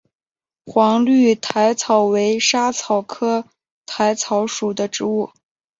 黄绿薹草为莎草科薹草属的植物。